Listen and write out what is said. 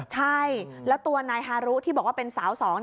ใช่แล้วตัวนายฮารุที่บอกว่าเป็นสาวสอง